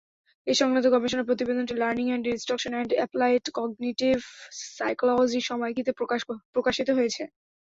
এ-সংক্রান্ত গবেষণা প্রতিবেদনটি learning and instruction and applied cognitive psychology সাময়িকীতে প্রকাশিত হয়েছে।